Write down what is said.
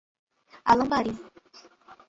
Alambari